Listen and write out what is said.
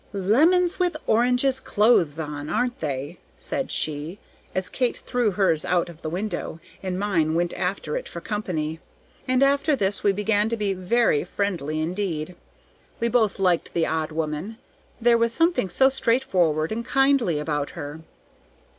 "Lemons with oranges' clothes on, aren't they?" said she, as Kate threw hers out of the window, and mine went after it for company; and after this we began to be very friendly indeed. We both liked the odd woman, there was something so straightforward and kindly about her.